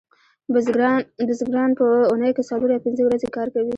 بزګران په اونۍ کې څلور یا پنځه ورځې کار کوي